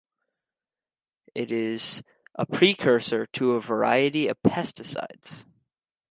It is a precursor to a variety of pesticides.